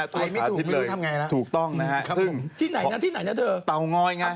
ตัวสาธิตเลยถูกต้องนะฮะซึ่งต่อไปไม่ถูกไม่รู้ทำไงล่ะ